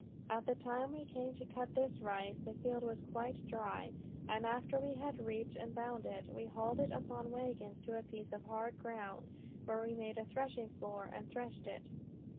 At the time we came to cut this rice, the field was quite dry; and after we had reaped and bound it, we hauled it upon wagons, to a piece of hard ground, where we made a threshing floor, and threshed it.